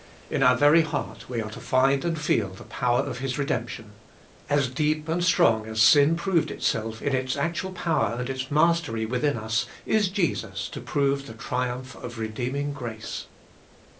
In our very heart we are to find and feel the power of His redemption. As deep and strong as sin proved itself in its actual power and its mastery within us, is Jesus to prove the triumph of redeeming grace.